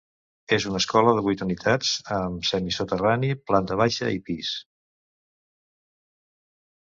És una escola de vuit unitats, amb semisoterrani, planta baixa i pis.